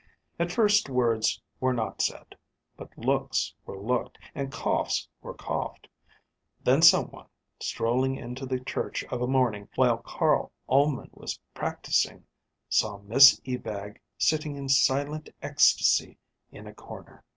At first words were not said; but looks were looked, and coughs were coughed. Then someone, strolling into the church of a morning while Carl Ullman was practising, saw Miss Ebag sitting in silent ecstasy in a corner.